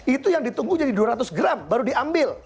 itu yang ditunggu jadi dua ratus gram baru diambil